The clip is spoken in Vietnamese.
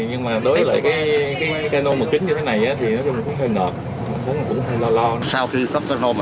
nhưng mà đối với lại cái cano mà kín như thế này thì nó cũng hơi nợt nó cũng hơi lo lo